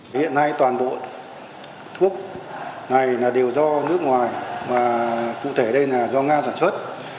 hiện nay toàn bộ thuốc này đều do nước ngoài cụ thể đây là do nga sản xuất